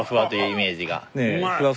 うまい！